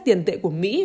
tiền tệ của mỹ